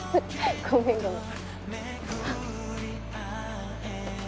ごめんごめん。